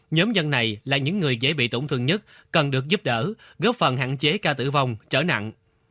nhóm dân này là những người dễ bị tổn thương nhất cần được giúp đỡ góp phần hạn chế ca tử vong trở nặng